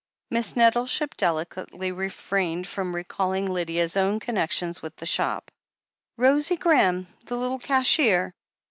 Miss Nettleship delicately refrained from recalling Lydia's own connection with the shop. Rosie Graham, the little cashier